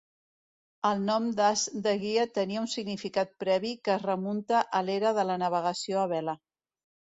El nom d'as de guia tenia un significat previ que es remunta a l'era de la navegació a vela.